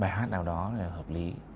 bài hát nào đó hợp lý